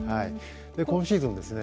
今シーズンですね